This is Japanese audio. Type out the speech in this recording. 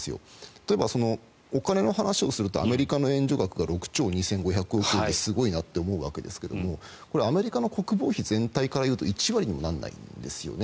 例えばお金の話をするとアメリカの援助額が６兆２５００億円ですごいなと思うわけですがアメリカの国防費全体からいうと１割にもならないんですね。